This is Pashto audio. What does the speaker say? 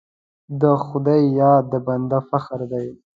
د خدای یاد د بنده فخر دی.